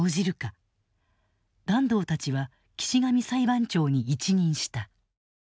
團藤たちは岸上裁判長に一任した。